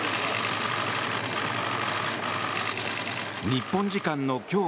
日本時間の今日